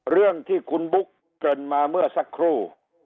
เรื่องที่คุณบุ๊กเกริ่นมาเมื่อสักครู่